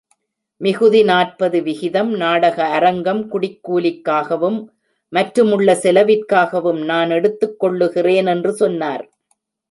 மிகுதி நாற்பது விகிதம், நாடக அரங்கம் குடிக் கூலிக்காகவும், மற்றுமுள்ள செலவிற்காகவும் நான் எடுத்துக் கொள்ளுகிறேன் என்று சொன்னார்.